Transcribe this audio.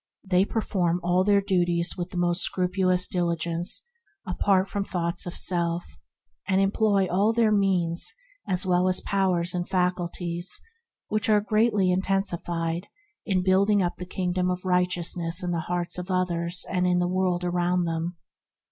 They do their work with scrupulous dili gence, apart from thoughts of self, and em ploy all their means, as well as their powers and faculties, which are greatly intensified, in building up the Kingdom of Righteous ness in the hearts of others and in the world around them.